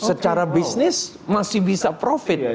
secara bisnis masih bisa profit